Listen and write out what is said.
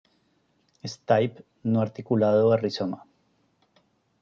Stipe no articulado a rizoma.